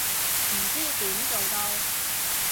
唔知點做到